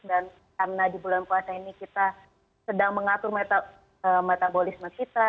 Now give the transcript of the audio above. dan karena di bulan puasa ini kita sedang mengatur metabolisme kita